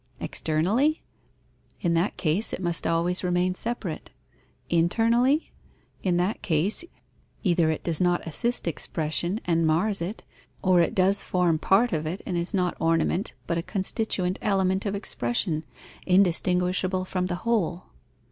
Externally? In that case it must always remain separate. Internally? In that case, either it does not assist expression and mars it; or it does form part of it and is not ornament, but a constituent element of expression, indistinguishable from the whole.